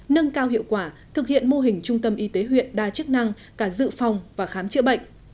nâng cao hiệu quả thực hiện mô hình trung tâm y tế huyện đa chức năng cả dự phòng và khám chữa bệnh